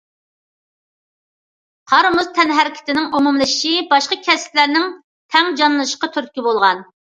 قار- مۇز تەنھەرىكىتىنىڭ ئومۇملىشىشى باشقا كەسىپلەرنىڭ تەڭ جانلىنىشىغا تۈرتكە بولغان.